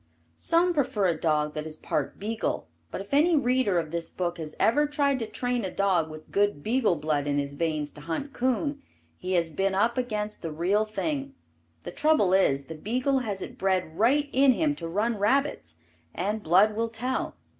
Some prefer a dog that is part beagle, but if any reader of this book has ever tried to train a dog with good beagle blood in his veins to hunt coon, he has been up against the real thing. The trouble is, the beagle has it bred right in him to run rabbits, and blood will tell.